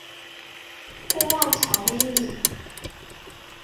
勿忘草微米。